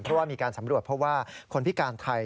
เพราะว่ามีการสำรวจเพราะว่าคนพิการไทย